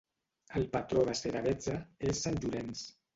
El patró de Seravezza és Sant Llorenç.